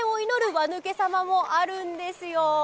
輪抜け様もあるんですよ。